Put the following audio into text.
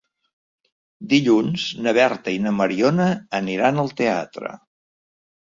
Dilluns na Berta i na Mariona aniran al teatre.